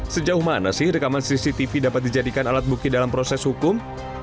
sejauh mana sih rekaman cctv dapat dijadikan alat bukti dalam proses hukum